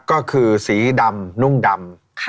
ก็คือสีดำนุ่งดำ